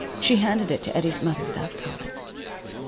She handed it to Eddie's mother without comment.